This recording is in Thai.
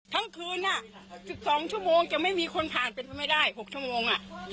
ทั้งคืน๑๒ชั่วโมงจะไม่มีคนผ่านเป็นไปไม่ได้๖ชั่วโมง